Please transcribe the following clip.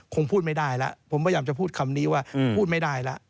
คงพูดไม่ได้แล้วผมพยายามจะพูดคำนี้ว่าพูดไม่ได้แล้ว